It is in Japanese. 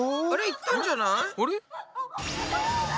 いったんじゃない？